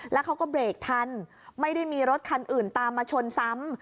แล้วเขาก็เบรกทันไม่ได้มีรถคันอื่นตามมาชนซ้ำ